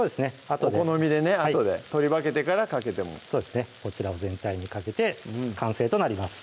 あとで取り分けてからかけてもそうですねこちらを全体にかけて完成となります